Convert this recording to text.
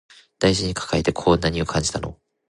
大事に抱えてこう何を感じたの